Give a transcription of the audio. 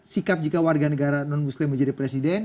sikap jika warga negara non muslim menjadi presiden